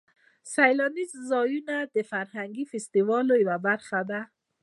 سیلاني ځایونه د فرهنګي فستیوالونو یوه برخه ده.